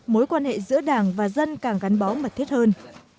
mối quan hệ giữa đảng và dân càng gắn bó mật thiết hơn